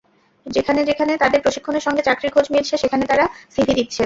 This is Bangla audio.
যেখানে যেখানে তাঁদের প্রশিক্ষণের সঙ্গে চাকরির খোঁজ মিলছে, সেখানে তাঁরা সিভি দিচ্ছেন।